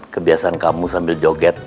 kebiasaan kamu sambil joget